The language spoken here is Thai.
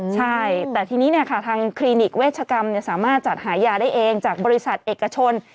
ใช่แต่ทีนี้ทางคลินิกเวชกรรมสามารถจัดหายาได้เองจากบริษัทเอกชน